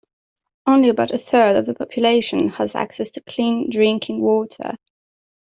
Only about a third of the population has access to clean drinking water.